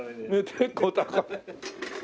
結構高め。